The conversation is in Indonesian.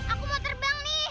aku mau terbang nih